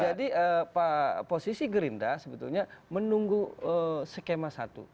jadi posisi gerinda sebetulnya menunggu skema satu